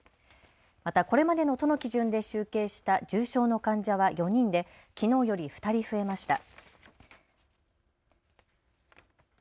また、これまでの都の基準で集計した重症の患者は４人できのうより２人増えました。